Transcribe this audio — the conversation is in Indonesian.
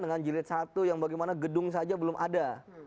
dengan jilid satu yang bagaimana gedung saja belum ada